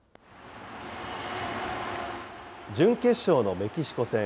準決勝のメキシコ戦。